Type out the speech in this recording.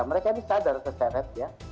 mereka ini sadar terseret ya